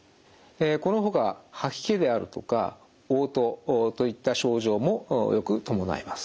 このほか吐き気であるとかおう吐といった症状もよく伴います。